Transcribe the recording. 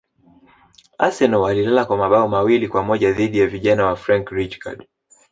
arsenal walilala kwa mabao mawili kwa moja dhidi ya vijana wa frank rijkard